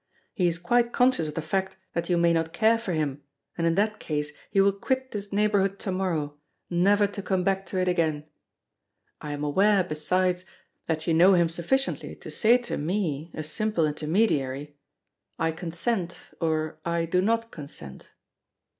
He is quite conscious of the fact that you may not care for him, and in that case he will quit this neighborhood to morrow, never to come back to it again. I am aware, besides, that you know him sufficiently to say to me, a simple intermediary, 'I consent,' or 'I do not consent.'"